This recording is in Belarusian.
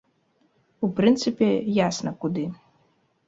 У прынцыпе, ясна, куды.